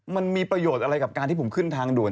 มันมีประโยชน์อะไรกับการที่ผมขึ้นทางด่วน